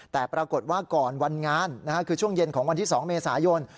แต่ปรากฏว่าก่อนวันงานคือช่วงเย็นของวันที่๒เมษายน